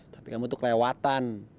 tapi kamu tuh kelewatan